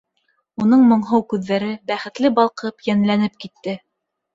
Уның моңһоу күҙҙәре бәхетле балҡып, йәнләнеп китте.